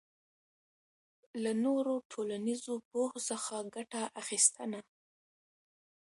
له نورو ټولنیزو پوهو څخه ګټه اخبستنه